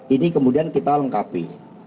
ini kemudian kita lengkapi